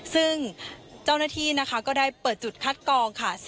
ซึ่งเจ้าหน้าที่นะคะก็ได้เปิดจุดคัดกองค่ะ